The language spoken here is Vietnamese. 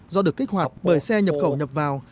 do được kích hoạt bởi xe nhập khẩu nhập vào